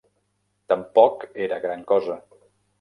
Tampoc era gran cosa.